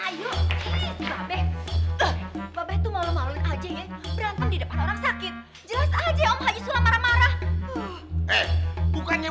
saya harus pergi terima kasih banyak